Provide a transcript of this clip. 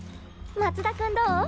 松田君どう？